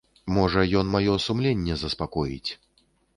Можа, ён маё сумленне заспакоіць.